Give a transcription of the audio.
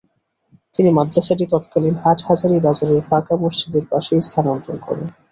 তিনি মাদ্রাসাটি তৎকালীন হাটহাজারী বাজারের পাঁকা মসজিদের পাশে স্থানান্তর করেন।